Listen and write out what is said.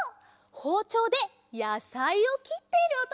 ほうちょうでやさいをきっているおとですわ。